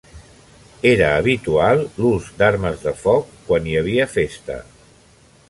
Era habitual l'ús d'armes de foc quan hi havia festa.